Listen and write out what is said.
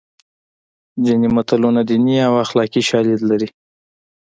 ځینې متلونه دیني او اخلاقي شالید لري